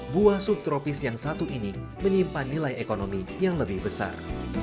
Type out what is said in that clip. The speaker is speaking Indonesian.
buah subtropis yang satu ini menyimpan nilai ekonomi yang lebih besar